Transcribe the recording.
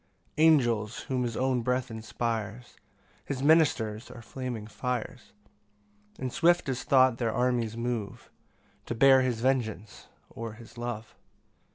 3 Angels, whom his own breath inspires, His ministers are flaming fires; And swift as thought their armies move To bear his vengeance, or his love.